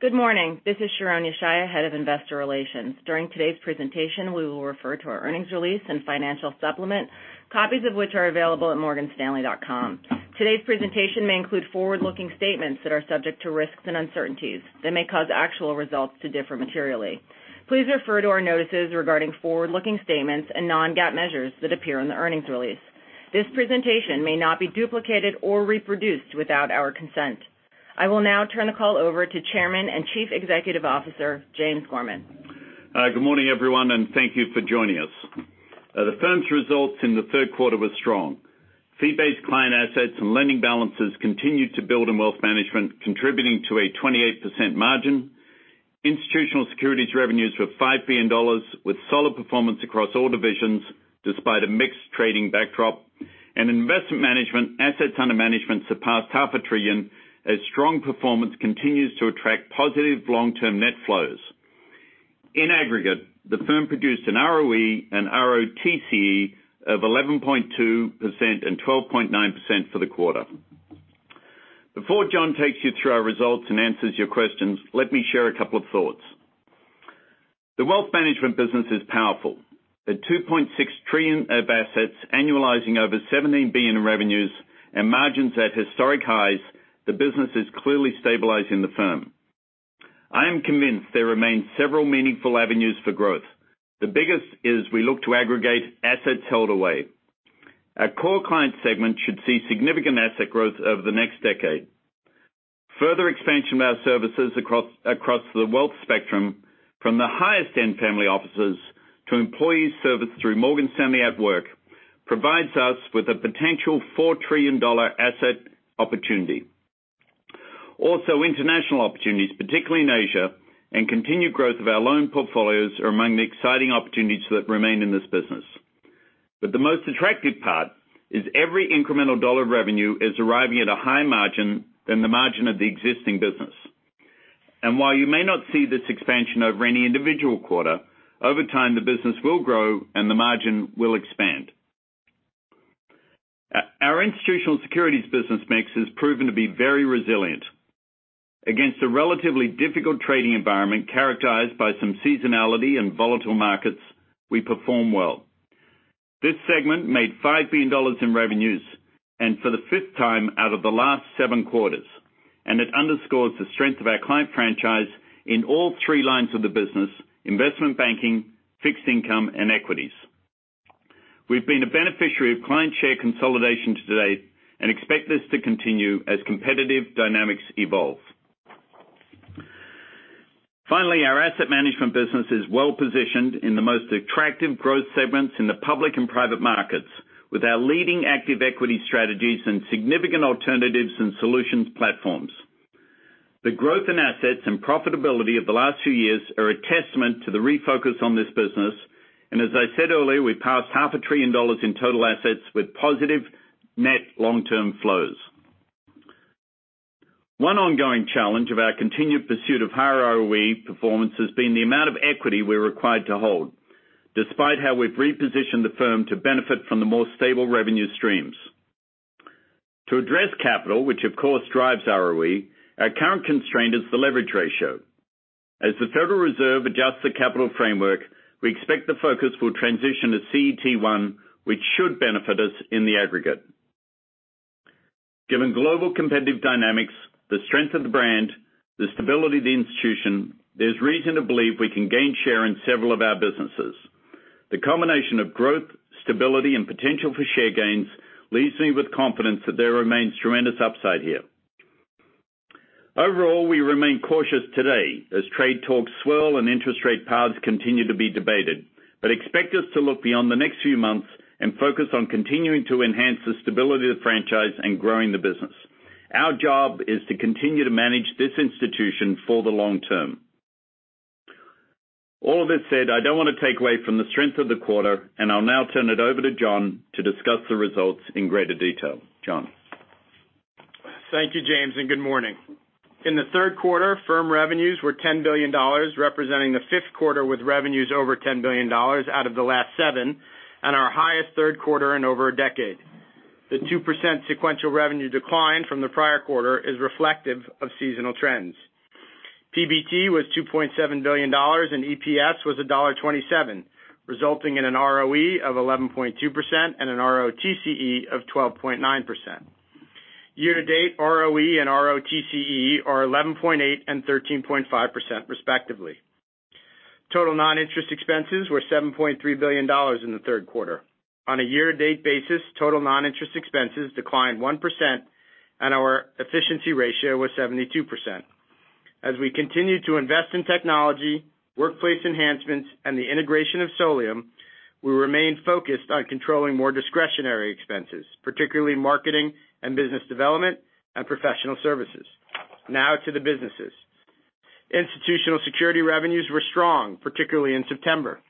Good morning. This is Sharon Yeshaya, head of investor relations. During today's presentation, we will refer to our earnings release and financial supplement, copies of which are available at morganstanley.com. Today's presentation may include forward-looking statements that are subject to risks and uncertainties that may cause actual results to differ materially. Please refer to our notices regarding forward-looking statements and non-GAAP measures that appear in the earnings release. This presentation may not be duplicated or reproduced without our consent. I will now turn the call over to Chairman and Chief Executive Officer, James Gorman. Hi. Good morning, everyone, and thank you for joining us. The firm's results in the third quarter were strong. Fee-based client assets and lending balances continued to build in wealth management, contributing to a 28% margin. Institutional Securities revenues were $5 billion, with solid performance across all divisions, despite a mixed trading backdrop. Investment management assets under management surpassed half a trillion, as strong performance continues to attract positive long-term net flows. In aggregate, the firm produced an ROE and ROTCE of 11.2% and 12.9% for the quarter. Before John takes you through our results and answers your questions, let me share a couple of thoughts. The wealth management business is powerful. At $2.6 trillion of assets annualizing over $17 billion in revenues and margins at historic highs, the business is clearly stabilizing the firm. I am convinced there remain several meaningful avenues for growth. The biggest is we look to aggregate assets held away. Our core client segment should see significant asset growth over the next decade. Further expansion of our services across the wealth spectrum, from the highest-end family offices to employee service through Morgan Stanley at Work, provides us with a potential $4 trillion asset opportunity. International opportunities, particularly in Asia, and continued growth of our loan portfolios, are among the exciting opportunities that remain in this business. The most attractive part is every incremental dollar of revenue is arriving at a higher margin than the margin of the existing business. While you may not see this expansion over any individual quarter, over time, the business will grow, and the margin will expand. Our institutional securities business mix has proven to be very resilient. Against a relatively difficult trading environment characterized by some seasonality and volatile markets, we perform well. This segment made $5 billion in revenues, for the fifth time out of the last seven quarters. It underscores the strength of our client franchise in all three lines of the business, investment banking, fixed income, and equities. We've been a beneficiary of client share consolidation to date and expect this to continue as competitive dynamics evolve. Finally, our asset management business is well-positioned in the most attractive growth segments in the public and private markets with our leading active equity strategies and significant alternatives in solutions platforms. The growth in assets and profitability of the last few years are a testament to the refocus on this business. As I said earlier, we passed half a trillion dollars in total assets with positive net long-term flows. One ongoing challenge of our continued pursuit of higher ROE performance has been the amount of equity we're required to hold, despite how we've repositioned the firm to benefit from the more stable revenue streams. To address capital, which of course, drives ROE, our current constraint is the leverage ratio. As the Federal Reserve adjusts the capital framework, we expect the focus will transition to CET1, which should benefit us in the aggregate. Given global competitive dynamics, the strength of the brand, the stability of the institution, there's reason to believe we can gain share in several of our businesses. The combination of growth, stability, and potential for share gains leaves me with confidence that there remains tremendous upside here. Overall, we remain cautious today as trade talks swirl and interest rate paths continue to be debated. Expect us to look beyond the next few months and focus on continuing to enhance the stability of the franchise and growing the business. Our job is to continue to manage this institution for the long term. All of this said, I don't want to take away from the strength of the quarter, and I'll now turn it over to John to discuss the results in greater detail. John. Thank you, James, and good morning. In the third quarter, firm revenues were $10 billion, representing the fifth quarter with revenues over $10 billion out of the last seven and our highest third quarter in over a decade. The 2% sequential revenue decline from the prior quarter is reflective of seasonal trends. PBT was $2.7 billion, and EPS was $1.27, resulting in an ROE of 11.2% and an ROTCE of 12.9%. Year to date, ROE and ROTCE are 11.8% and 13.5%, respectively. Total non-interest expenses were $7.3 billion in the third quarter. On a year-to-date basis, total non-interest expenses declined 1%, and our efficiency ratio was 72%. As we continue to invest in technology, workplace enhancements, and the integration of Solium, we remain focused on controlling more discretionary expenses, particularly marketing and business development and professional services. Now to the businesses. Institutional Securities revenues were strong, particularly in September.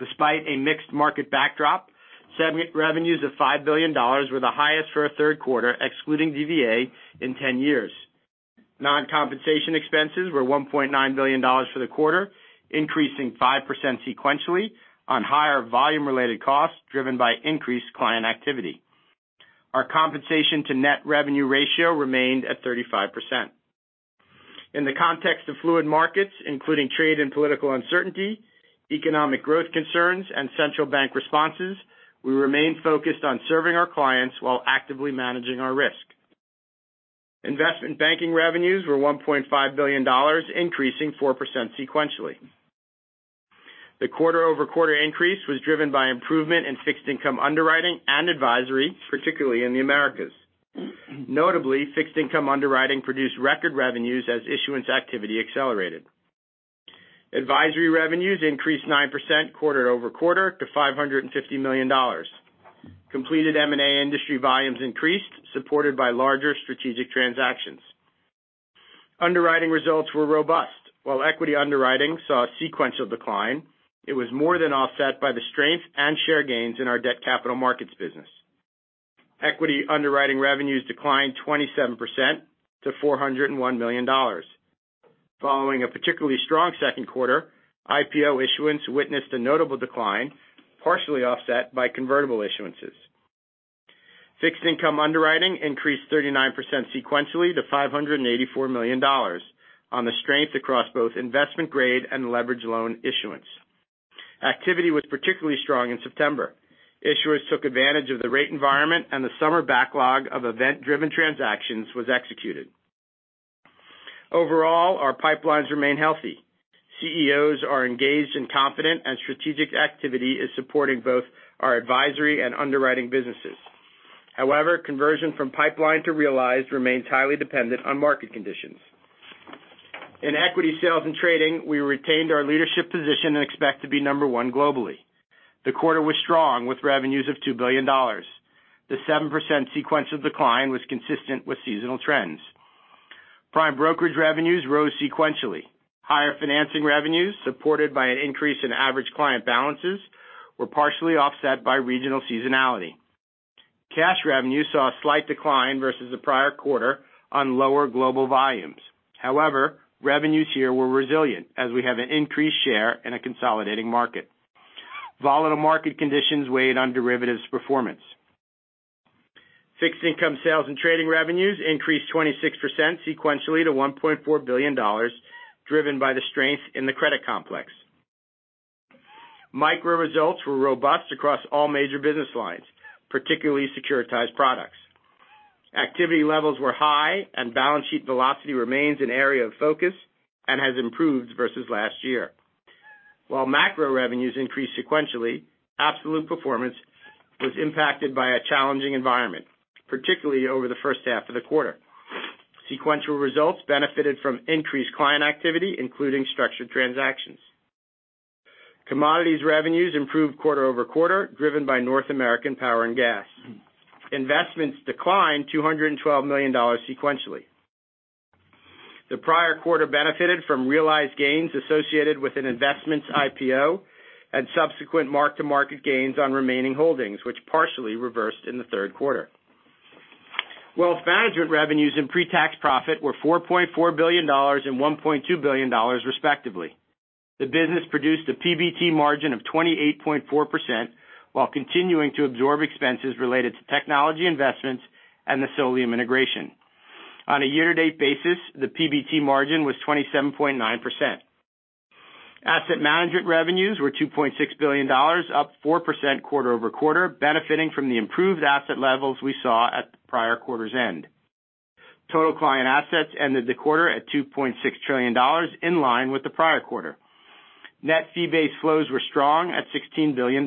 Despite a mixed market backdrop, segment revenues of $5 billion were the highest for a third quarter, excluding DVA, in 10 years. Non-compensation expenses were $1.9 billion for the quarter. Increasing 5% sequentially on higher volume related costs driven by increased client activity. Our compensation to net revenue ratio remained at 35%. In the context of fluid markets, including trade and political uncertainty, economic growth concerns, and central bank responses, we remain focused on serving our clients while actively managing our risk. Investment banking revenues were $1.5 billion, increasing 4% sequentially. The quarter-over-quarter increase was driven by improvement in fixed income underwriting and advisory, particularly in the Americas. Notably, fixed income underwriting produced record revenues as issuance activity accelerated. Advisory revenues increased 9% quarter-over-quarter to $550 million. Completed M&A industry volumes increased, supported by larger strategic transactions. Underwriting results were robust. While equity underwriting saw a sequential decline, it was more than offset by the strength and share gains in our debt capital markets business. Equity underwriting revenues declined 27% to $401 million. Following a particularly strong second quarter, IPO issuance witnessed a notable decline, partially offset by convertible issuances. Fixed income underwriting increased 39% sequentially to $584 million on the strength across both investment grade and leverage loan issuance. Activity was particularly strong in September. Issuers took advantage of the rate environment, and the summer backlog of event-driven transactions was executed. Overall, our pipelines remain healthy. CEOs are engaged and confident, and strategic activity is supporting both our advisory and underwriting businesses. Conversion from pipeline to realized remains highly dependent on market conditions. In equity sales and trading, we retained our leadership position and expect to be number one globally. The quarter was strong, with revenues of $2 billion. The 7% sequential decline was consistent with seasonal trends. Prime brokerage revenues rose sequentially. Higher financing revenues, supported by an increase in average client balances, were partially offset by regional seasonality. Cash revenue saw a slight decline versus the prior quarter on lower global volumes. However, revenues here were resilient as we have an increased share in a consolidating market. Volatile market conditions weighed on derivatives performance. Fixed income sales and trading revenues increased 26% sequentially to $1.4 billion, driven by the strength in the credit complex. Micro results were robust across all major business lines, particularly securitized products. Activity levels were high, and balance sheet velocity remains an area of focus and has improved versus last year. While macro revenues increased sequentially, absolute performance was impacted by a challenging environment, particularly over the first half of the quarter. Sequential results benefited from increased client activity, including structured transactions. Commodities revenues improved quarter-over-quarter, driven by North American power and gas. Investments declined $212 million sequentially. The prior quarter benefited from realized gains associated with an investments IPO and subsequent mark-to-market gains on remaining holdings, which partially reversed in the third quarter. Wealth Management revenues and pre-tax profit were $4.4 billion and $1.2 billion respectively. The business produced a PBT margin of 28.4% while continuing to absorb expenses related to technology investments and the Solium integration. On a year-to-date basis, the PBT margin was 27.9%. Asset Management revenues were $2.6 billion, up 4% quarter-over-quarter, benefiting from the improved asset levels we saw at the prior quarter's end. Total client assets ended the quarter at $2.6 trillion, in line with the prior quarter. Net fee-based flows were strong at $16 billion.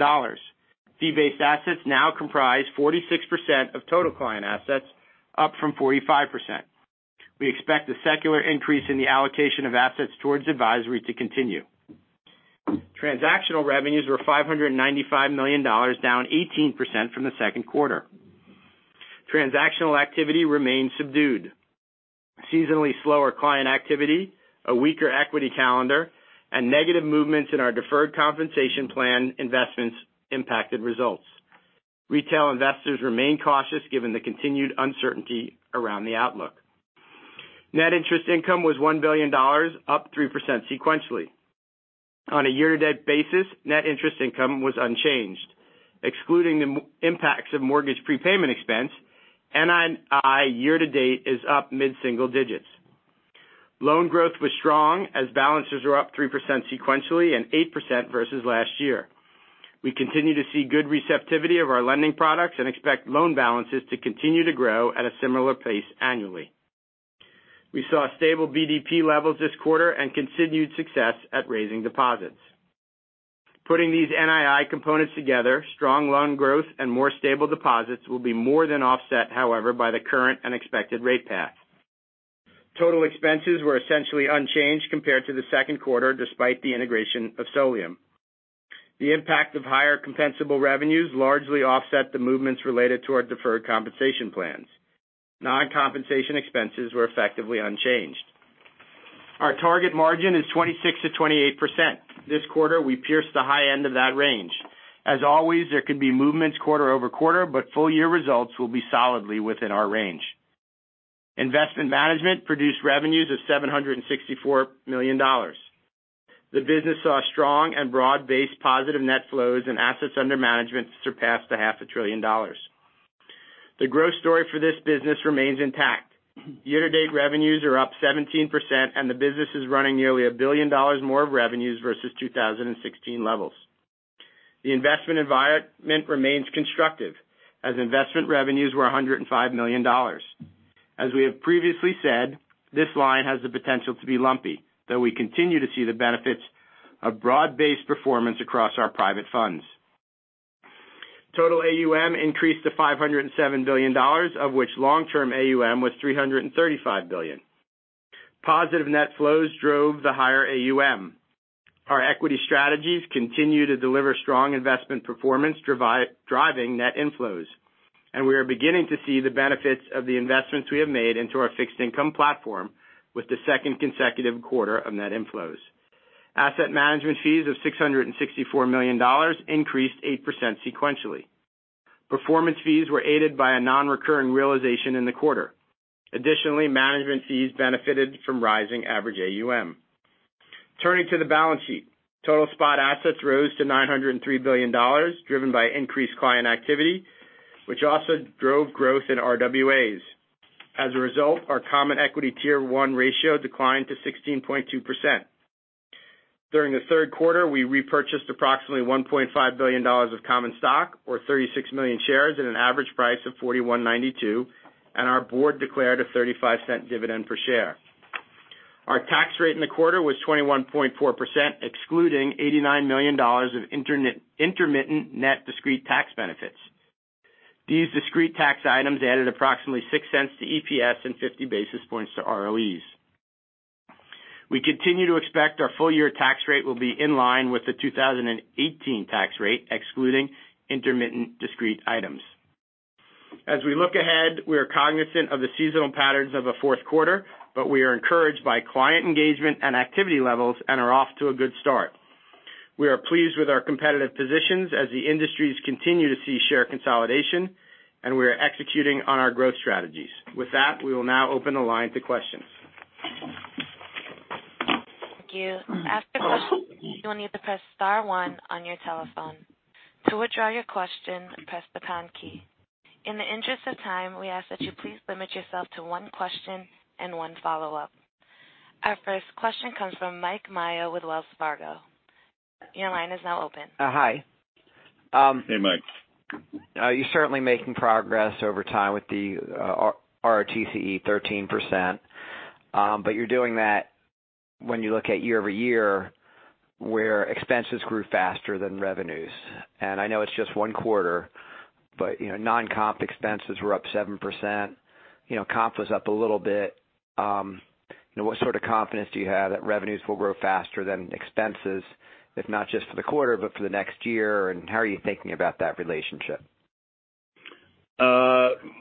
Fee-based assets now comprise 46% of total client assets, up from 45%. We expect the secular increase in the allocation of assets towards advisory to continue. Transactional revenues were $595 million, down 18% from the second quarter. Transactional activity remained subdued. Seasonally slower client activity, a weaker equity calendar, and negative movements in our deferred compensation plan investments impacted results. Retail investors remain cautious given the continued uncertainty around the outlook. Net interest income was $1 billion, up 3% sequentially. On a year-to-date basis, net interest income was unchanged. Excluding the impacts of mortgage prepayment expense, NII year-to-date is up mid-single digits. Loan growth was strong as balances were up 3% sequentially and 8% versus last year. We continue to see good receptivity of our lending products and expect loan balances to continue to grow at a similar pace annually. We saw stable BDP levels this quarter and continued success at raising deposits. Putting these NII components together, strong loan growth and more stable deposits will be more than offset, however, by the current and expected rate path. Total expenses were essentially unchanged compared to the second quarter, despite the integration of Solium. The impact of higher compensable revenues largely offset the movements related to our deferred compensation plans. Non-compensation expenses were effectively unchanged. Our target margin is 26%-28%. This quarter, we pierced the high end of that range. As always, there could be movements quarter-over-quarter, but full year results will be solidly within our range. Investment management produced revenues of $764 million. The business saw strong and broad-based positive net flows and assets under management surpassed a half a trillion dollars. The growth story for this business remains intact. Year-to-date revenues are up 17%, and the business is running nearly $1 billion more of revenues versus 2016 levels. The investment environment remains constructive as investment revenues were $105 million. As we have previously said, this line has the potential to be lumpy, though we continue to see the benefits of broad-based performance across our private funds. Total AUM increased to $507 billion, of which long-term AUM was $335 billion. Positive net flows drove the higher AUM. Our equity strategies continue to deliver strong investment performance, driving net inflows. We are beginning to see the benefits of the investments we have made into our fixed income platform with the second consecutive quarter of net inflows. Asset management fees of $664 million increased 8% sequentially. Performance fees were aided by a non-recurring realization in the quarter. Additionally, management fees benefited from rising average AUM. Turning to the balance sheet. Total spot assets rose to $903 billion, driven by increased client activity, which also drove growth in RWAs. As a result, our Common Equity Tier 1 ratio declined to 16.2%. During the third quarter, we repurchased approximately $1.5 billion of common stock, or 36 million shares at an average price of $41.92, and our board declared a $0.35 dividend per share. Our tax rate in the quarter was 21.4%, excluding $89 million of intermittent net discrete tax benefits. These discrete tax items added approximately $0.06 to EPS and 50 basis points to ROEs. We continue to expect our full-year tax rate will be in line with the 2018 tax rate, excluding intermittent discrete items. As we look ahead, we are cognizant of the seasonal patterns of a fourth quarter, but we are encouraged by client engagement and activity levels and are off to a good start. We are pleased with our competitive positions as the industries continue to see share consolidation, and we are executing on our growth strategies. With that, we will now open the line to questions. Thank you. To ask a question, you will need to press *1 on your telephone. To withdraw your question, press the pound key. In the interest of time, we ask that you please limit yourself to one question and one follow-up. Our first question comes from Mike Mayo with Wells Fargo. Your line is now open. Hi. Hey, Mike. You're certainly making progress over time with the ROTCE 13%. You're doing that when you look at year-over-year, where expenses grew faster than revenues. I know it's just one quarter. Non-comp expenses were up 7%. Comp was up a little bit. What sort of confidence do you have that revenues will grow faster than expenses, if not just for the quarter, but for the next year? How are you thinking about that relationship?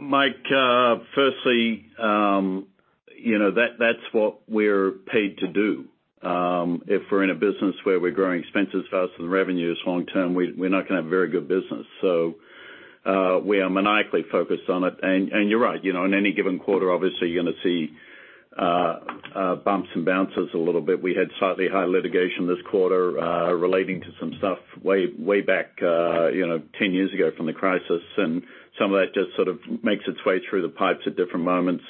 Mike, firstly, that's what we're paid to do. If we're in a business where we're growing expenses faster than revenues long term, we're not going to have very good business. We are maniacally focused on it. You're right. In any given quarter, obviously, you're going to see bumps and bounces a little bit. We had slightly higher litigation this quarter relating to some stuff way back, 10 years ago from the crisis, and some of that just sort of makes its way through the pipes at different moments.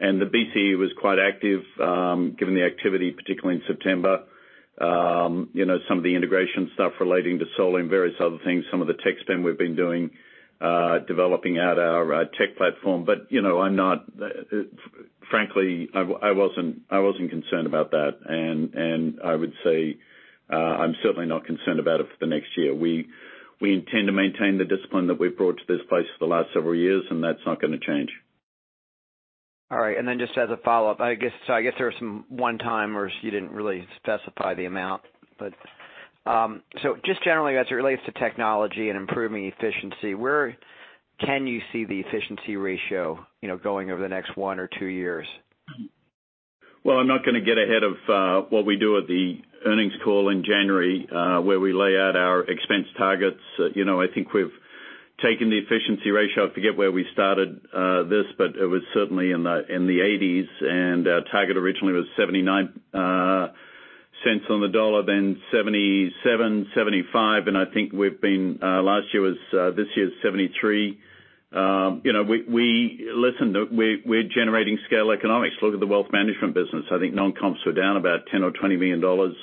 The ECB was quite active, given the activity, particularly in September. Some of the integration stuff relating to Solium, various other things, some of the tech spend we've been doing, developing out our tech platform. Frankly, I wasn't concerned about that, and I would say I'm certainly not concerned about it for the next year. We intend to maintain the discipline that we've brought to this place for the last several years, and that's not going to change. All right. Then just as a follow-up, I guess there were some one-timers. You didn't really specify the amount. Just generally, as it relates to technology and improving efficiency, where can you see the efficiency ratio going over the next one or two years? Well, I'm not going to get ahead of what we do at the earnings call in January where we lay out our expense targets. I think we've taken the efficiency ratio, I forget where we started this, but it was certainly in the 80s, and our target originally was 79%, then 77%, 75%, and I think last year, this year is 73%. Listen, we're generating scale economics. Look at the wealth management business. I think non-comps were down about $10 million or $20 million,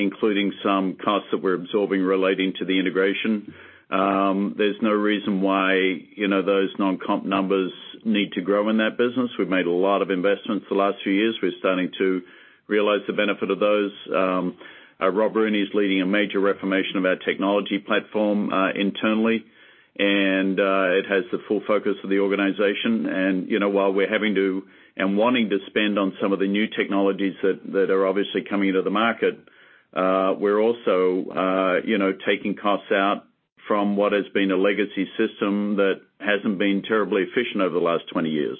including some costs that we're absorbing relating to the integration. There's no reason why those non-comp numbers need to grow in that business. We've made a lot of investments the last few years. We're starting to realize the benefit of those. Rob Rooney is leading a major reformation of our technology platform internally, and it has the full focus of the organization. While we're having to and wanting to spend on some of the new technologies that are obviously coming into the market, we're also taking costs out from what has been a legacy system that hasn't been terribly efficient over the last 20 years.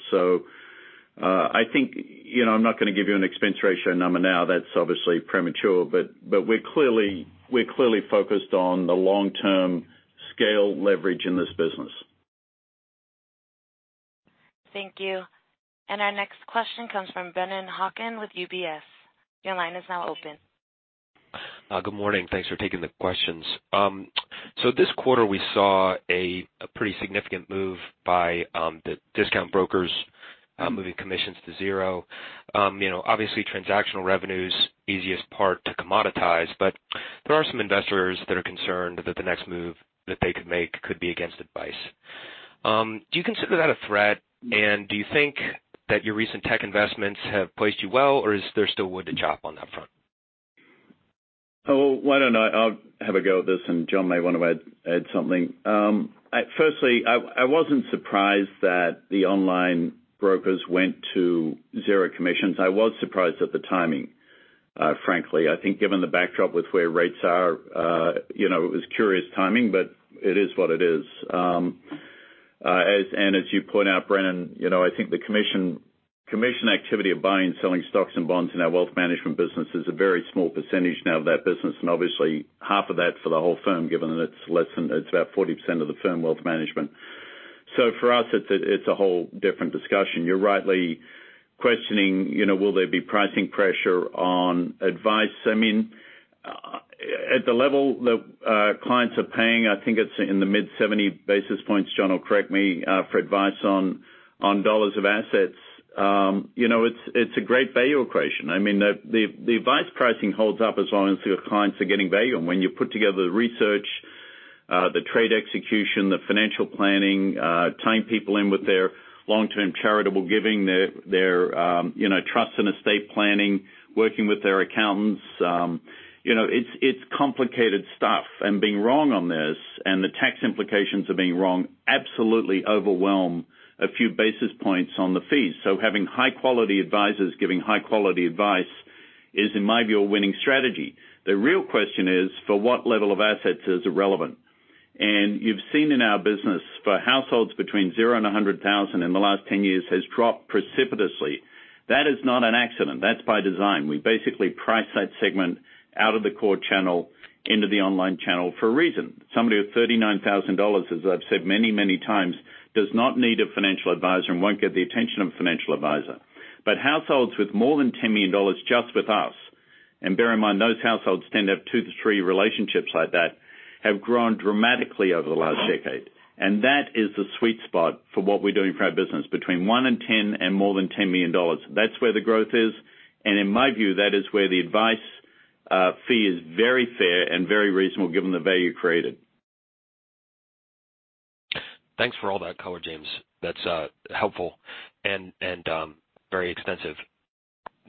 I think, I'm not going to give you an expense ratio number now. That's obviously premature, but we're clearly focused on the long-term scale leverage in this business. Thank you. Our next question comes from Brennan Hawken with UBS. Your line is now open. Good morning. Thanks for taking the questions. This quarter, we saw a pretty significant move by the discount brokers moving commissions to zero. Obviously, transactional revenue is easiest part to commoditize, but there are some investors that are concerned that the next move that they could make could be against advice. Do you consider that a threat? Do you think that your recent tech investments have placed you well, or is there still wood to chop on that front? I'll have a go at this. John may want to add something. Firstly, I wasn't surprised that the online brokers went to zero commissions. I was surprised at the timing, frankly. I think given the backdrop with where rates are, it was curious timing. It is what it is. As you point out, Brennan, I think the commission activity of buying, selling stocks and bonds in our wealth management business is a very small % now of that business. Obviously, half of that for the whole firm, given that it's about 40% of the firm wealth management. For us, it's a whole different discussion. You're rightly questioning, will there be pricing pressure on advice? At the level that clients are paying, I think it's in the mid 70 basis points, John will correct me, for advice on dollars of assets. It's a great value equation. The advice pricing holds up as long as your clients are getting value. When you put together the research, the trade execution, the financial planning, tying people in with their long-term charitable giving, their trust and estate planning, working with their accountants, it's complicated stuff. Being wrong on this, and the tax implications of being wrong absolutely overwhelm a few basis points on the fees. Having high-quality advisors giving high-quality advice is, in my view, a winning strategy. The real question is for what level of assets is irrelevant. You've seen in our business for households between $0 and $100,000 in the last 10 years has dropped precipitously. That is not an accident. That's by design. We basically price that segment out of the core channel into the online channel for a reason. Somebody with $39,000, as I've said many times, does not need a financial advisor and won't get the attention of a financial advisor. Households with more than $10 million just with us, and bear in mind, those households tend to have two to three relationships like that, have grown dramatically over the last decade. That is the sweet spot for what we're doing for our business, between one and 10 and more than $10 million. That's where the growth is. In my view, that is where the advice fee is very fair and very reasonable given the value created. Thanks for all that color, James. That's helpful and very extensive.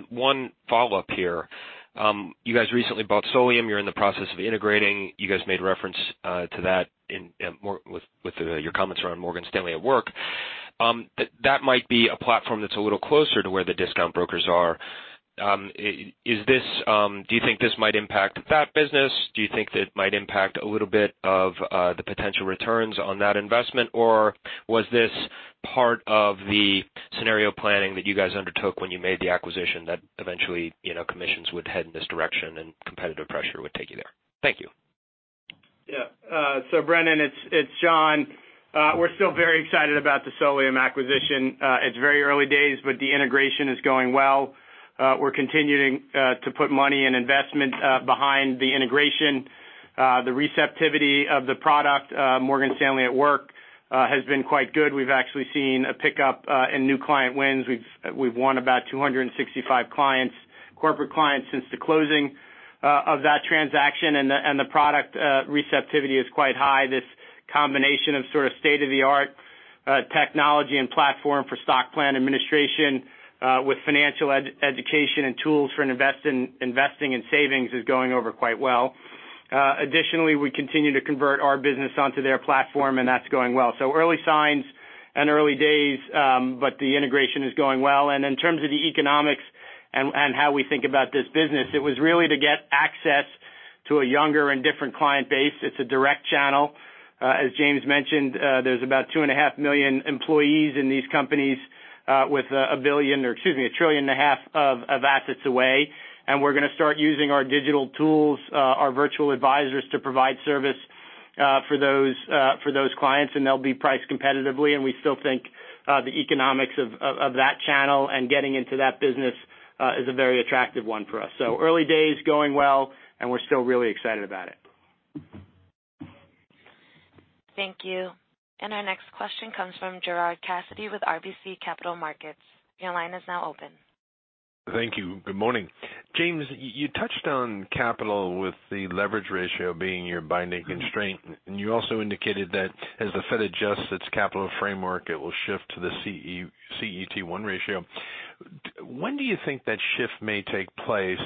One follow-up here. You guys recently bought Solium. You're in the process of integrating. You guys made reference to that with your comments around Morgan Stanley at Work. That might be a platform that's a little closer to where the discount brokers are. Do you think this might impact that business? Do you think that it might impact a little bit of the potential returns on that investment? Or was this part of the scenario planning that you guys undertook when you made the acquisition that eventually, commissions would head in this direction and competitive pressure would take you there? Thank you. Brennan, it's John. We're still very excited about the Solium acquisition. It's very early days, but the integration is going well. We're continuing to put money and investment behind the integration. The receptivity of the product, Morgan Stanley at Work, has been quite good. We've actually seen a pickup in new client wins. We've won about 265 corporate clients since the closing of that transaction. The product receptivity is quite high. This combination of sort of state-of-the-art technology and platform for stock plan administration with financial education and tools for investing and savings is going over quite well. Additionally, we continue to convert our business onto their platform, and that's going well. Early signs and early days, but the integration is going well. In terms of the economics and how we think about this business, it was really to get access to a younger and different client base. It's a direct channel. As James mentioned, there's about two and a half million employees in these companies with a trillion and a half of assets away. We're going to start using our digital tools, our virtual advisors, to provide service for those clients, and they'll be priced competitively. We still think the economics of that channel and getting into that business is a very attractive one for us. Early days, going well, and we're still really excited about it. Thank you. Our next question comes from Gerard Cassidy with RBC Capital Markets. Your line is now open. Thank you. Good morning. James, you touched on capital with the leverage ratio being your binding constraint. You also indicated that as the Fed adjusts its capital framework, it will shift to the CET1 ratio. When do you think that shift may take place?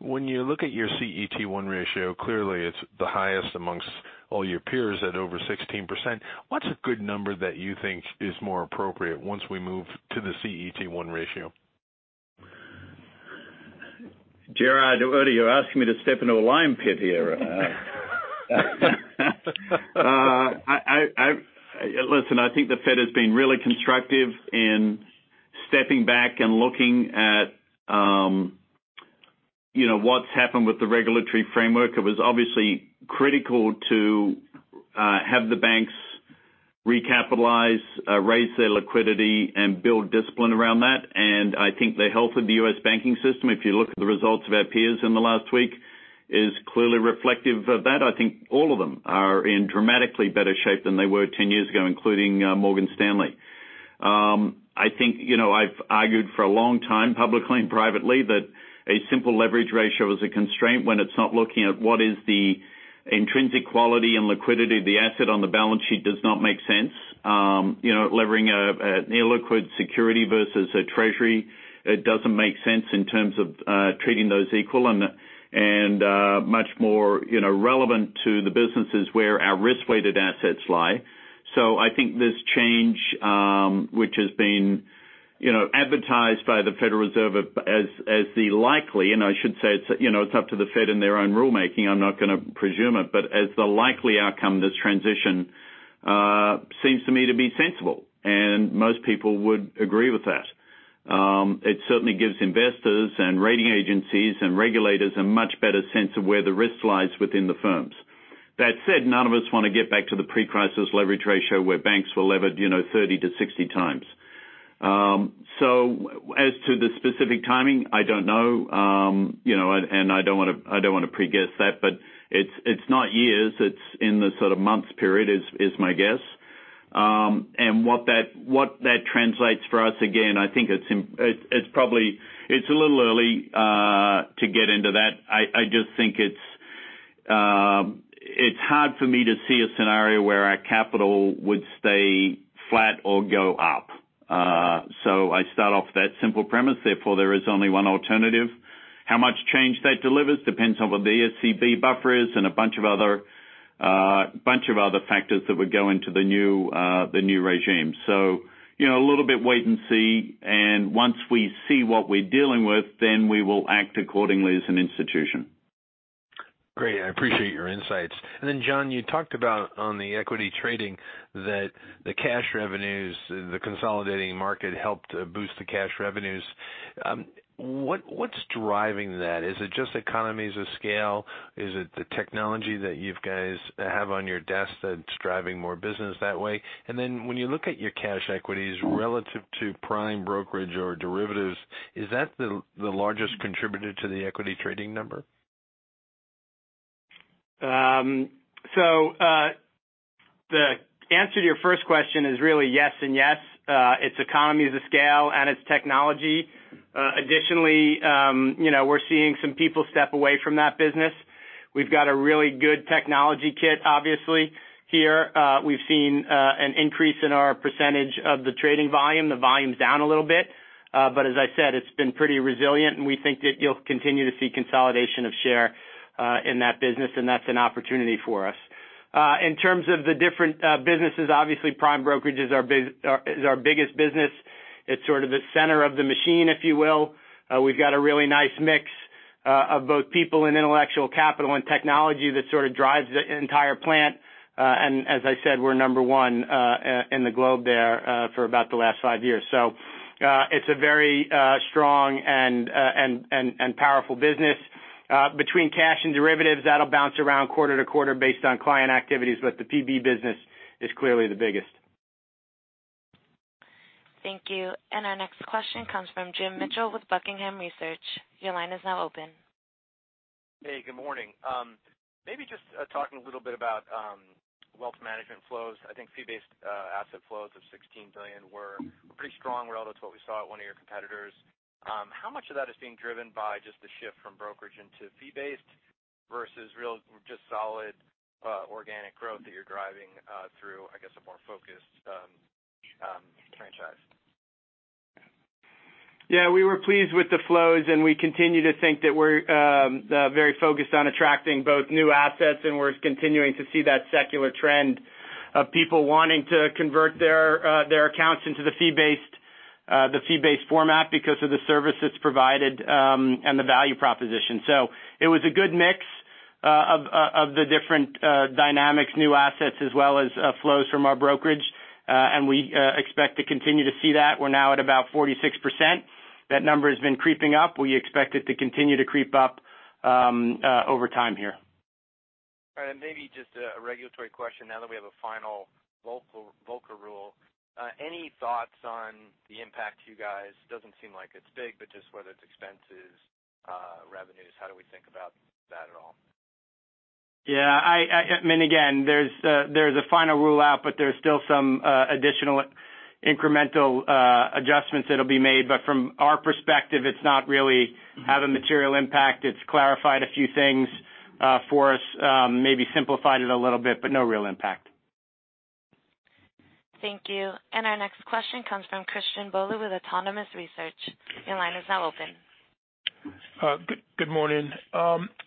When you look at your CET1 ratio, clearly it's the highest amongst all your peers at over 16%. What's a good number that you think is more appropriate once we move to the CET1 ratio? Gerard, you're asking me to step into a lion pit here. Listen, I think the Fed has been really constructive in stepping back and looking at what's happened with the regulatory framework. It was obviously critical to have the banks recapitalize, raise their liquidity, and build discipline around that. I think the health of the U.S. banking system, if you look at the results of our peers in the last week, is clearly reflective of that. I think all of them are in dramatically better shape than they were 10 years ago, including Morgan Stanley. I've argued for a long time, publicly and privately, that a simple leverage ratio is a constraint when it's not looking at what is the intrinsic quality and liquidity of the asset on the balance sheet does not make sense. Levering an illiquid security versus a treasury, it doesn't make sense in terms of treating those equal and much more relevant to the businesses where our risk-weighted assets lie. I think this change, which has been advertised by the Federal Reserve as the likely, and I should say, it's up to the Fed in their own rulemaking, I'm not going to presume it, but as the likely outcome, this transition seems to me to be sensible. Most people would agree with that. It certainly gives investors and rating agencies and regulators a much better sense of where the risk lies within the firms. That said, none of us want to get back to the pre-crisis leverage ratio where banks were levered 30 to 60 times. As to the specific timing, I don't know. I don't want to pre-guess that, but it's not years. It's in the sort of months period is my guess. What that translates for us, again, I think it's a little early to get into that. I just think it's hard for me to see a scenario where our capital would stay flat or go up. I start off with that simple premise, therefore, there is only one alternative. How much change that delivers depends on what the SCB buffer is and a bunch of other factors that would go into the new regime. A little bit wait and see. Once we see what we're dealing with, then we will act accordingly as an institution. Great. I appreciate your insights. John, you talked about on the equity trading that the consolidating market helped boost the cash revenues. What's driving that? Is it just economies of scale? Is it the technology that you guys have on your desk that's driving more business that way? When you look at your cash equities relative to prime brokerage or derivatives, is that the largest contributor to the equity trading number? The answer to your first question is really yes and yes. It's economies of scale, and it's technology. Additionally, we're seeing some people step away from that business. We've got a really good technology kit, obviously, here. We've seen an increase in our % of the trading volume. The volume's down a little bit. As I said, it's been pretty resilient, and we think that you'll continue to see consolidation of share in that business, and that's an opportunity for us. In terms of the different businesses, obviously, prime brokerage is our biggest business. It's sort of the center of the machine, if you will. We've got a really nice mix of both people and intellectual capital and technology that sort of drives the entire plant. As I said, we're number one in the globe there for about the last five years. It's a very strong and powerful business. Between cash and derivatives, that'll bounce around quarter to quarter based on client activities, but the PB business is clearly the biggest. Thank you. Our next question comes from Jim Mitchell with Buckingham Research. Your line is now open. Hey, good morning. Maybe just talking a little bit about wealth management flows. I think fee-based asset flows of $16 billion were pretty strong relative to what we saw at one of your competitors. How much of that is being driven by just the shift from brokerage into fee-based versus real, just solid, organic growth that you're driving through, I guess, a more focused franchise? Yeah, we were pleased with the flows. We continue to think that we're very focused on attracting both new assets, and we're continuing to see that secular trend of people wanting to convert their accounts into the fee-based format because of the services provided and the value proposition. It was a good mix of the different dynamics, new assets as well as flows from our brokerage. We expect to continue to see that. We're now at about 46%. That number has been creeping up. We expect it to continue to creep up over time here. All right. Maybe just a regulatory question now that we have a final Volcker Rule. Any thoughts on the impact to you guys? Doesn't seem like it's big, but just whether it's expenses, revenues, how do we think about that at all? Yeah. Again, there's a final rule out, but there's still some additional incremental adjustments that'll be made. From our perspective, it's not really have a material impact. It's clarified a few things for us, maybe simplified it a little bit, but no real impact. Thank you. Our next question comes from Christian Bolu with Autonomous Research. Your line is now open. Good morning.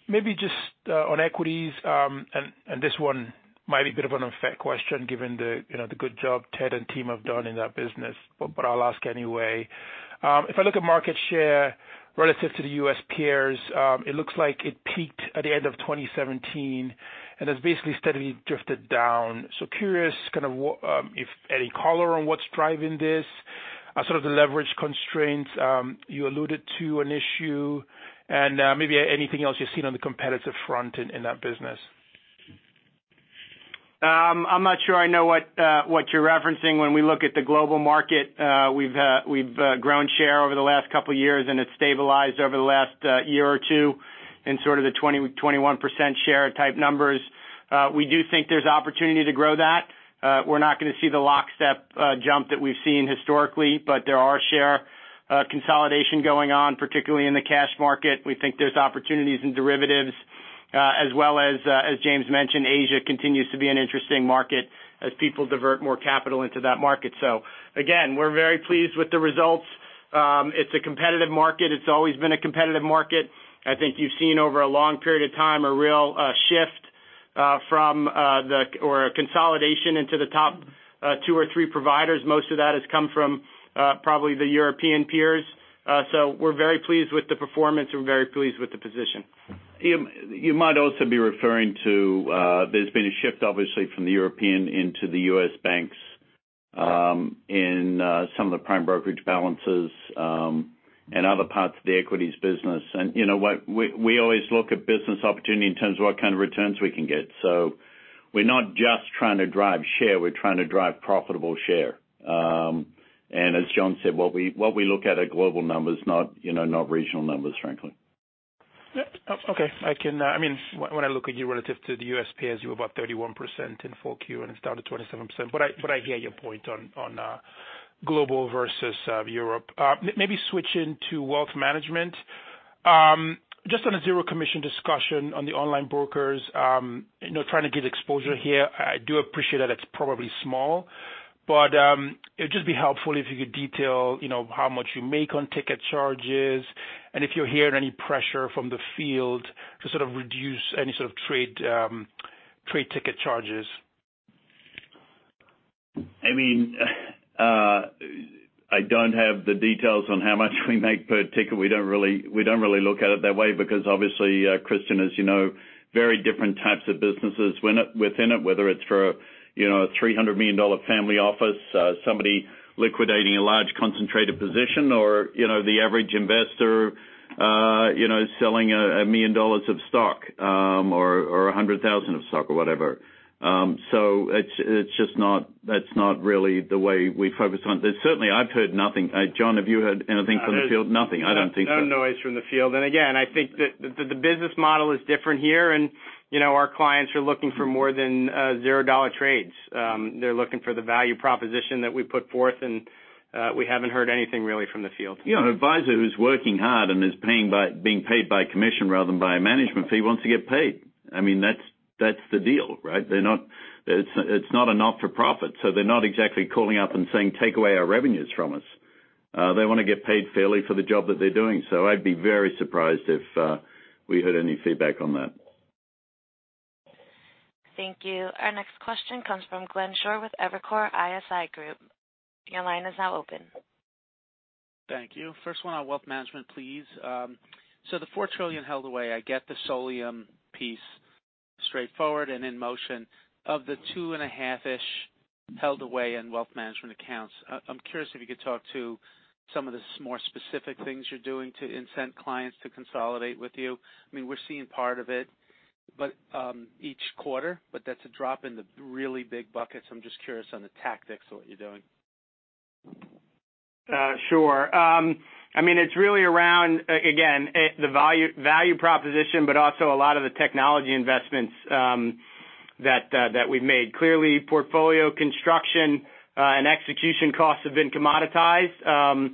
Maybe just on equities, this one might be a bit of an unfair question given the good job Ted and team have done in that business. I'll ask anyway. If I look at market share relative to the U.S. peers, it looks like it peaked at the end of 2017 and has basically steadily drifted down. Curious if any color on what's driving this, sort of the leverage constraints, you alluded to an issue, and maybe anything else you've seen on the competitive front in that business? I'm not sure I know what you're referencing. We look at the global market, we've grown share over the last couple of years, and it's stabilized over the last year or two in sort of the 20%-21% share type numbers. We do think there's opportunity to grow that. We're not going to see the lockstep jump that we've seen historically, there are share consolidation going on, particularly in the cash market. We think there's opportunities in derivatives as well as, James mentioned, Asia continues to be an interesting market as people divert more capital into that market. Again, we're very pleased with the results. It's a competitive market. It's always been a competitive market. I think you've seen over a long period of time, a real shift from a consolidation into the top two or three providers. Most of that has come from probably the European peers. We're very pleased with the performance. We're very pleased with the position. You might also be referring to, there's been a shift, obviously, from the European into the U.S. banks in some of the prime brokerage balances and other parts of the equities business. We always look at business opportunity in terms of what kind of returns we can get. We're not just trying to drive share, we're trying to drive profitable share. As John said, what we look at are global numbers, not regional numbers, frankly. When I look at you relative to the U.S. peers, you're about 31% in full Q, and it's down to 27%. I hear your point on global versus Europe. Maybe switching to wealth management. Just on a zero commission discussion on the online brokers, trying to get exposure here. I do appreciate that it's probably small, but it'd just be helpful if you could detail how much you make on ticket charges and if you're hearing any pressure from the field to sort of reduce any sort of trade ticket charges. I don't have the details on how much we make per ticket. We don't really look at it that way because obviously, Christian, as you know, very different types of businesses within it, whether it's for a $300 million family office, somebody liquidating a large concentrated position, or the average investor selling $1 million of stock or 100,000 of stock or whatever. That's not really the way we focus on. Certainly, I've heard nothing. John, have you heard anything from the field? Nothing. I don't think so. No noise from the field. Again, I think that the business model is different here, and our clients are looking for more than zero-dollar trades. They're looking for the value proposition that we put forth, and we haven't heard anything really from the field. An advisor who's working hard and is being paid by commission rather than by a management fee wants to get paid. That's the deal, right? It's not a not-for-profit, so they're not exactly calling up and saying, "Take away our revenues from us." They want to get paid fairly for the job that they're doing. I'd be very surprised if we heard any feedback on that. Thank you. Our next question comes from Glenn Schorr with Evercore ISI Group. Your line is now open. Thank you. First one on wealth management, please. The $4 trillion held away, I get the Solium piece, straightforward and in motion. Of the two and a half-ish held away in wealth management accounts, I'm curious if you could talk to some of the more specific things you're doing to incent clients to consolidate with you. We're seeing part of it each quarter, but that's a drop in the really big bucket, so I'm just curious on the tactics of what you're doing. Sure. It's really around, again, the value proposition, but also a lot of the technology investments that we've made. Clearly, portfolio construction and execution costs have been commoditized.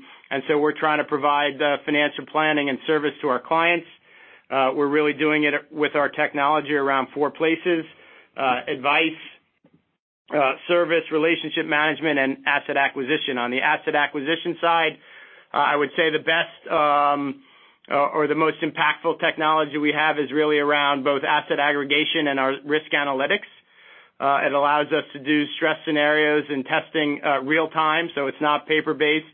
We're trying to provide financial planning and service to our clients. We're really doing it with our technology around four places. Advice, service, relationship management, and asset acquisition. On the asset acquisition side, I would say the best or the most impactful technology we have is really around both asset aggregation and our risk analytics. It allows us to do stress scenarios and testing real-time, so it's not paper-based,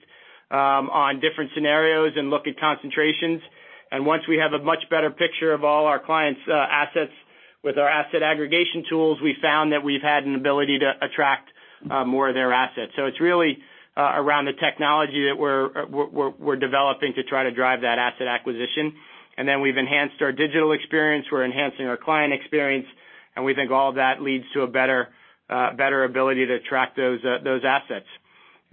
on different scenarios and look at concentrations. Once we have a much better picture of all our clients' assets with our asset aggregation tools, we found that we've had an ability to attract more of their assets. It's really around the technology that we're developing to try to drive that asset acquisition. We've enhanced our digital experience, we're enhancing our client experience, and we think all of that leads to a better ability to attract those assets.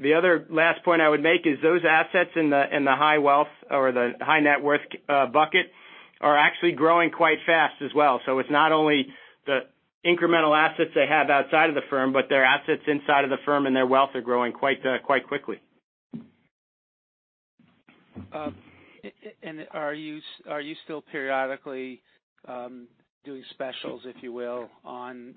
The other last point I would make is those assets in the high wealth or the high net worth bucket are actually growing quite fast as well. It's not only the incremental assets they have outside of the firm, but their assets inside of the firm and their wealth are growing quite quickly. Are you still periodically doing specials, if you will, on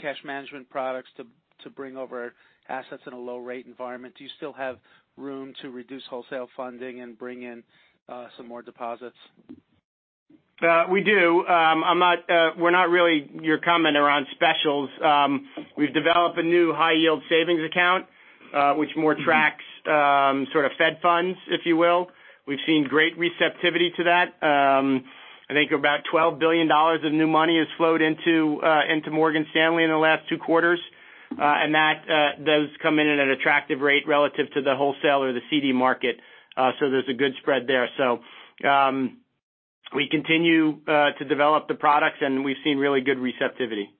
cash management products to bring over assets in a low rate environment? Do you still have room to reduce wholesale funding and bring in some more deposits? We do. We're not really your comment around specials. We've developed a new high-yield savings account, which more tracks sort of Fed funds, if you will. We've seen great receptivity to that. I think about $12 billion of new money has flowed into Morgan Stanley in the last two quarters. That does come in at an attractive rate relative to the wholesale or the CD market. There's a good spread there. We continue to develop the products, and we've seen really good receptivity.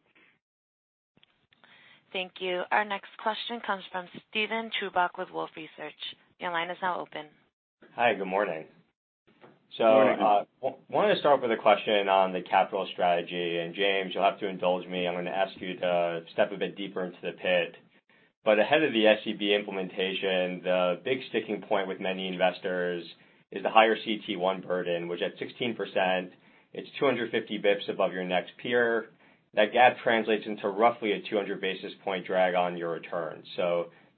Thank you. Our next question comes from Steven Chubak with Wolfe Research. Your line is now open. Hi, good morning. Good morning. I wanted to start with a question on the capital strategy. James, you'll have to indulge me. I'm going to ask you to step a bit deeper into the pit. Ahead of the SCB implementation, the big sticking point with many investors is the higher CET1 burden, which at 16%, it's 250 bips above your next peer. That gap translates into roughly a 200 basis point drag on your return.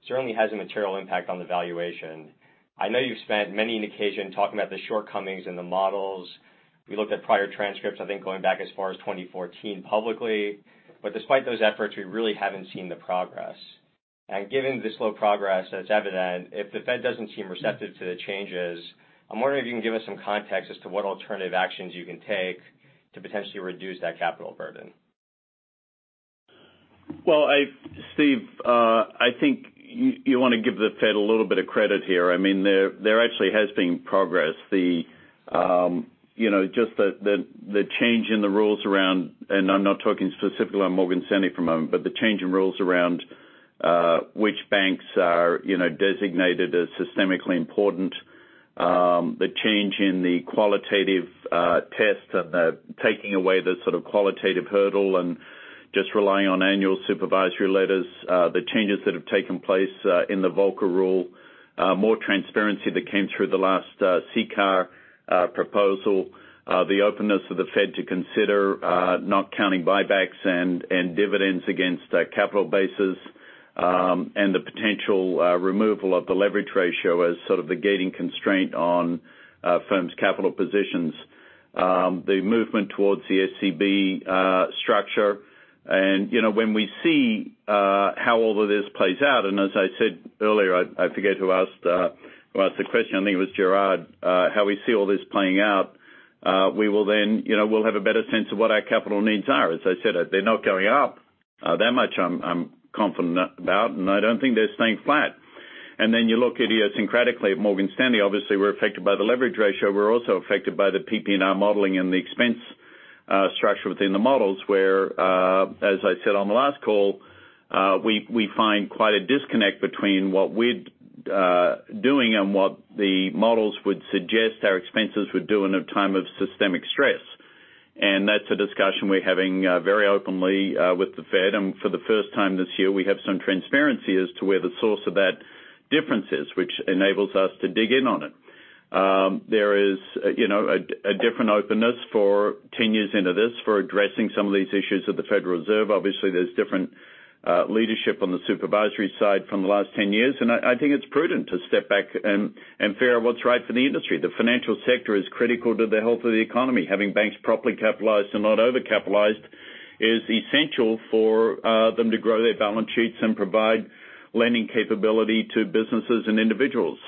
Certainly has a material impact on the valuation. I know you've spent many an occasion talking about the shortcomings in the models. We looked at prior transcripts, I think, going back as far as 2014 publicly. Despite those efforts, we really haven't seen the progress. Given the slow progress that's evident, if the Fed doesn't seem receptive to the changes, I'm wondering if you can give us some context as to what alternative actions you can take to potentially reduce that capital burden. Steve, I think you want to give the Fed a little bit of credit here. There actually has been progress. Just the change in the rules around, and I'm not talking specifically on Morgan Stanley for a moment, but the change in rules around which banks are designated as systemically important. The change in the qualitative tests and the taking away the sort of qualitative hurdle and just relying on annual supervisory letters. The changes that have taken place in the Volcker Rule. More transparency that came through the last CCAR proposal. The openness of the Fed to consider not counting buybacks and dividends against capital bases. The potential removal of the leverage ratio as sort of the gating constraint on firms' capital positions. The movement towards the SCB structure. When we see how all of this plays out, as I said earlier, I forget who asked the question, I think it was Gerard, how we see all this playing out, we'll have a better sense of what our capital needs are. As I said, they're not going up that much, I'm confident about, and I don't think they're staying flat. You look idiosyncratically at Morgan Stanley. Obviously, we're affected by the leverage ratio. We're also affected by the PPNR modeling and the expense structure within the models, where, as I said on the last call, we find quite a disconnect between what we're doing and what the models would suggest our expenses would do in a time of systemic stress. That's a discussion we're having very openly with the Fed. For the first time this year, we have some transparency as to where the source of that difference is, which enables us to dig in on it. There is a different openness for 10 years into this for addressing some of these issues at the Federal Reserve. Obviously, there's different leadership on the supervisory side from the last 10 years. I think it's prudent to step back and figure out what's right for the industry. The financial sector is critical to the health of the economy. Having banks properly capitalized and not overcapitalized is essential for them to grow their balance sheets and provide lending capability to businesses and individuals.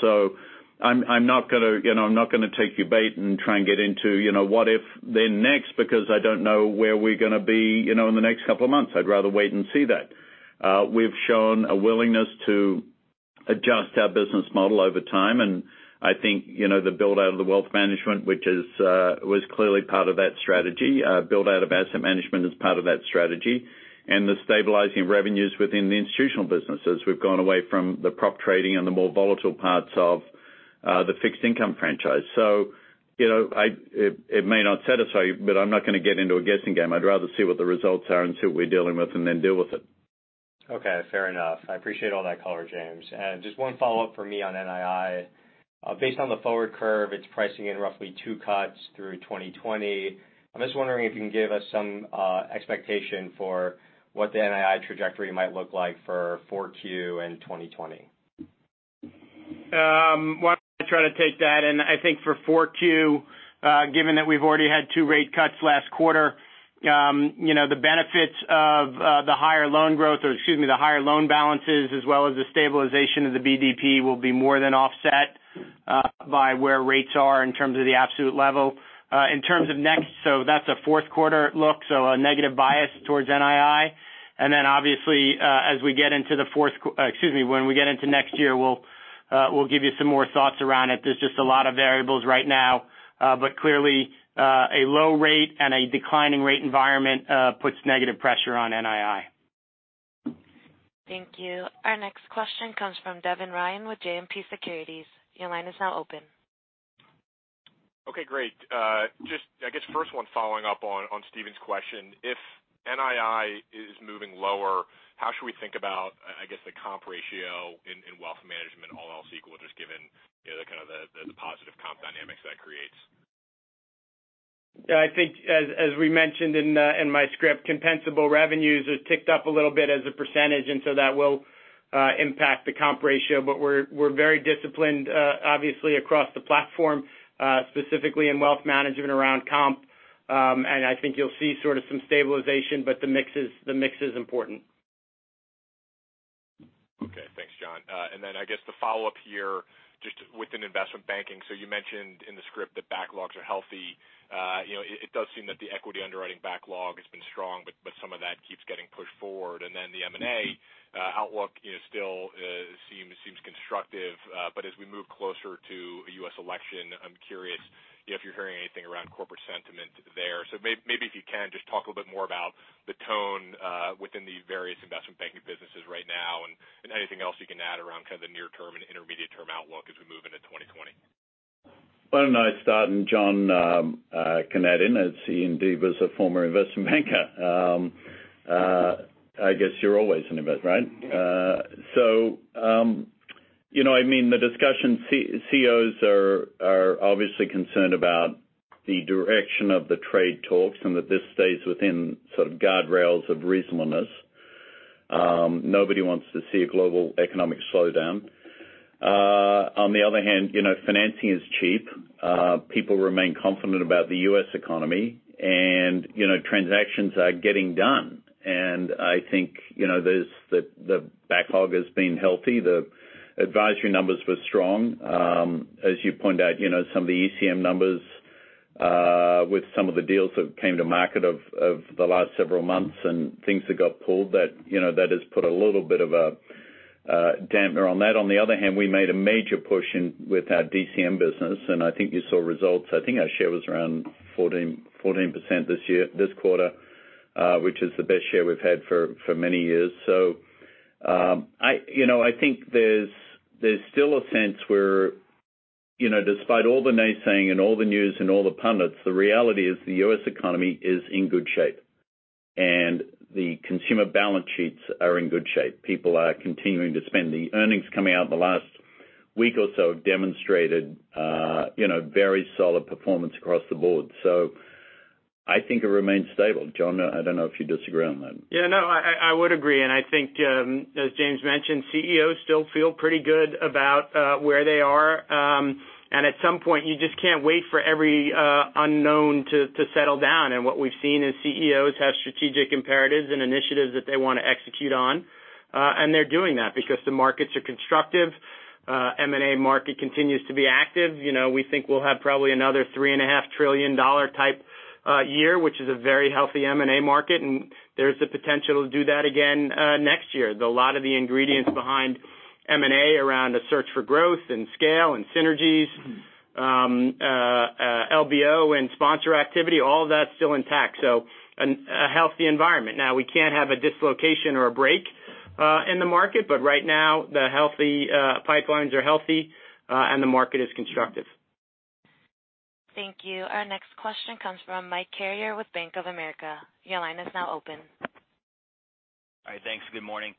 I'm not going to take your bait and try and get into what if then next, because I don't know where we're going to be in the next couple of months. I'd rather wait and see that. We've shown a willingness to adjust our business model over time, and I think the build-out of the wealth management was clearly part of that strategy. Build-out of asset management is part of that strategy. The stabilizing revenues within the institutional businesses. We've gone away from the prop trading and the more volatile parts of the fixed income franchise. It may not satisfy you, but I'm not going to get into a guessing game. I'd rather see what the results are and see what we're dealing with and then deal with it. Okay, fair enough. I appreciate all that color, James. Just one follow-up for me on NII. Based on the forward curve, it's pricing in roughly two cuts through 2020. I'm just wondering if you can give us some expectation for what the NII trajectory might look like for four Q and 2020. Why don't I try to take that? I think for four Q, given that we've already had two rate cuts last quarter, the benefits of the higher loan balances, as well as the stabilization of the BDP will be more than offset by where rates are in terms of the absolute level. In terms of next, so that's a fourth quarter look, so a negative bias towards NII. Then obviously, when we get into next year, we'll give you some more thoughts around it. There's just a lot of variables right now. Clearly, a low rate and a declining rate environment puts negative pressure on NII. Thank you. Our next question comes from Devin Ryan with JMP Securities. Your line is now open. Okay, great. I guess first one following up on Steven's question. If NII is moving lower, how should we think about, I guess, the comp ratio in wealth management, all else equal, just given the kind of the positive comp dynamics that creates? I think as we mentioned in my script, compensable revenues have ticked up a little bit as a percentage, and so that will impact the comp ratio. We're very disciplined, obviously, across the platform, specifically in wealth management around comp. I think you'll see sort of some stabilization, but the mix is important. Okay. Thanks, John. Then I guess the follow-up here, just within investment banking. You mentioned in the script that backlogs are healthy. It does seem that the equity underwriting backlog has been strong, but some of that keeps getting pushed forward. Then the M&A outlook still seems constructive. As we move closer to a U.S. election, I'm curious if you're hearing anything around corporate sentiment there. Maybe if you can, just talk a little bit more about the tone within the various investment banking businesses right now, and anything else you can add around kind of the near term and intermediate-term outlook as we move into 2020. Why don't I start, John can add in, as he indeed was a former investment banker. I guess you're always an invest, right? The discussion, CEOs are obviously concerned about the direction of the trade talks and that this stays within sort of guardrails of reasonableness. Nobody wants to see a global economic slowdown. On the other hand, financing is cheap. People remain confident about the U.S. economy, transactions are getting done. I think the backlog has been healthy. The advisory numbers were strong. As you pointed out, some of the ECM numbers with some of the deals that came to market over the last several months and things that got pulled, that has put a little bit of a damper on that. On the other hand, we made a major push with our DCM business, I think you saw results. I think our share was around 14% this quarter, which is the best share we've had for many years. I think there's still a sense where, despite all the naysaying and all the news and all the pundits, the reality is the U.S. economy is in good shape, and the consumer balance sheets are in good shape. People are continuing to spend. The earnings coming out in the last week or so have demonstrated very solid performance across the board. I think it remains stable. John, I don't know if you disagree on that. Yeah, no, I would agree. I think, as James mentioned, CEOs still feel pretty good about where they are. At some point, you just can't wait for every unknown to settle down. What we've seen is CEOs have strategic imperatives and initiatives that they want to execute on. They're doing that because the markets are constructive. M&A market continues to be active. We think we'll have probably another three and a half trillion dollar type year, which is a very healthy M&A market, and there's the potential to do that again next year. A lot of the ingredients behind M&A around a search for growth and scale and synergies, LBO and sponsor activity, all of that's still intact, so a healthy environment. Now, we can't have a dislocation or a break in the market, but right now, the healthy pipelines are healthy, and the market is constructive. Thank you. Our next question comes from Michael Carrier with Bank of America. Your line is now open. All right. Thanks. Good morning.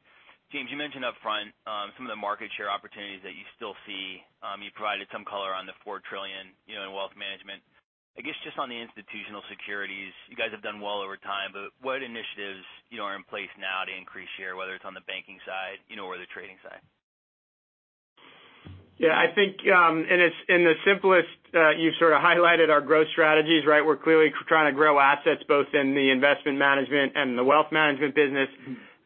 James, you mentioned upfront some of the market share opportunities that you still see. You provided some color on the $4 trillion in wealth management. I guess, just on the institutional securities, you guys have done well over time, but what initiatives are in place now to increase share, whether it's on the banking side or the trading side? Yeah, I think in the simplest, you sort of highlighted our growth strategies, right? We're clearly trying to grow assets both in the investment management and the wealth management business.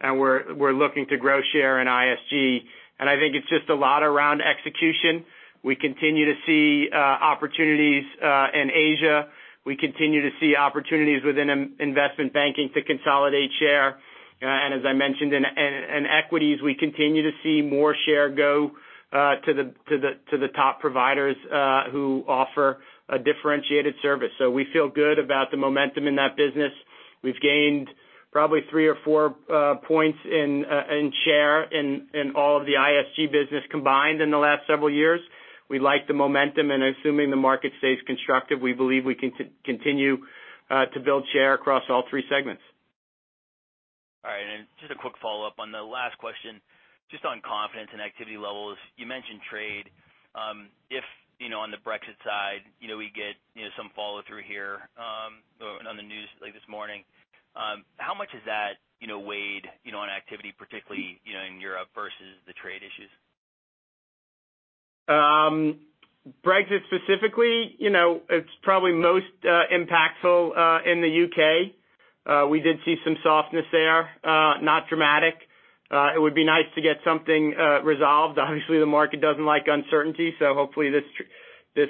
We're looking to grow share in ISG. I think it's just a lot around execution. We continue to see opportunities in Asia. We continue to see opportunities within investment banking to consolidate share. As I mentioned, in equities, we continue to see more share go to the top providers who offer a differentiated service. We feel good about the momentum in that business. We've gained probably three or four points in share in all of the ISG business combined in the last several years. We like the momentum, and assuming the market stays constructive, we believe we can continue to build share across all three segments. All right. Just a quick follow-up on the last question, just on confidence and activity levels. You mentioned trade. If on the Brexit side, we get some follow-through here on the news this morning, how much does that weigh on activity, particularly in Europe versus the trade issues? Brexit specifically, it's probably most impactful in the U.K. We did see some softness there. Not dramatic. It would be nice to get something resolved. Obviously, the market doesn't like uncertainty, hopefully this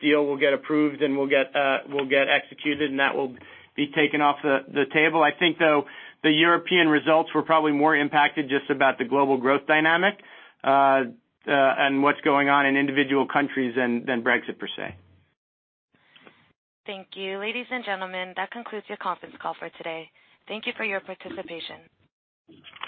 deal will get approved, and will get executed, and that will be taken off the table. I think, though, the European results were probably more impacted just about the global growth dynamic, and what's going on in individual countries than Brexit, per se. Thank you. Ladies and gentlemen, that concludes your conference call for today. Thank you for your participation.